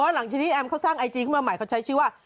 หลังจากนี้แอมเขาสร้างไอจีขึ้นมาใหม่เขาใช้ชื่อว่า